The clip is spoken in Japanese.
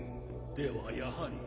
ではやはり。